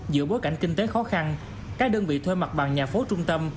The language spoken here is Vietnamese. giữa bối cảnh kinh tế khó khăn các đơn vị thuê mặt bằng nhà phố trung tâm